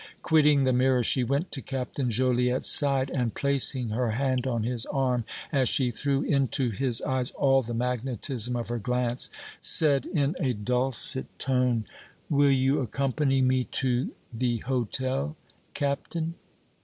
Quitting the mirror, she went to Captain Joliette's side and, placing her hand on his arm, as she threw into his eyes all the magnetism of her glance, said, in a dulcet tone: "Will you accompany me to the hôtel, Captain?"